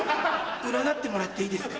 占ってもらっていいですか？